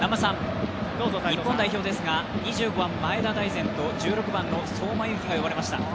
日本代表ですが、２５番・前田大然と１６番の相馬勇紀が呼ばれました。